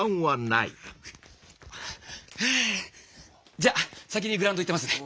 じゃあ先にグラウンド行ってますね！